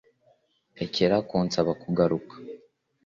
rekera kunsaba kugaruka